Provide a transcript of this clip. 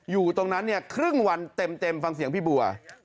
อยู่ตรงนั้นเนี่ยครึ่งวันเต็มฟังเสียงพี่บัว